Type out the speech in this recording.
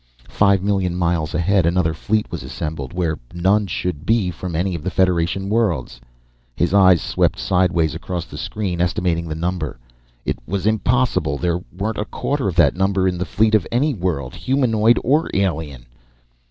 Five million miles ahead, another fleet was assembled, where none should be from any of the Federation worlds! His eyes swept sideways across the screen, estimating the number. It was impossible. There weren't a quarter of that number in the fleet of any world, humanoid or alien!